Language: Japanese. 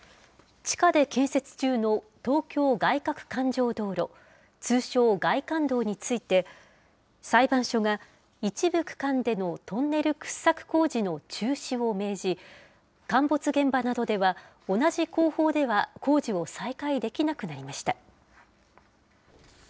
地下で建設中の東京外かく環状道路、通称、外環道について、裁判所が一部区間でのトンネル掘削工事の中止を命じ、陥没現場などでは同じ工法では工事を再開できなくなりました。